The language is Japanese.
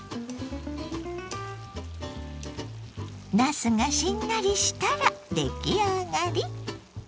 なすがしんなりしたら出来上がり。